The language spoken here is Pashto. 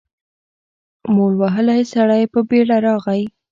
مول وهلی سړی په بېړه راغی.